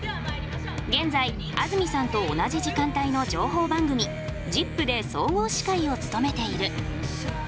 現在安住さんと同じ時間帯の情報番組「ＺＩＰ！」で総合司会を務めている。